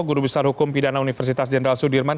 guru besar hukum pidana universitas jenderal sudirman